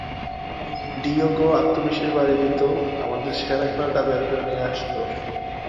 Diego আত্মবিশ্বাস বাড়িয়ে দিত, আমাদের সেরা খেলাটা বের করে নিয়ে আসত।